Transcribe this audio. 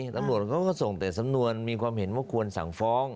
ตำรวจเขาก็ส่งแต่สำนวนมีความเห็นว่าควรสั่งฟ้อง